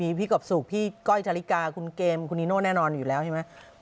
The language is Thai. มีพี่กบสุกพี่ก้อยชาลิกาคุณเกมคุณนีโน่แน่นอนอยู่แล้วใช่ไหม